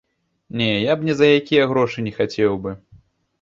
Не, я б ні за якія грошы не хацеў бы.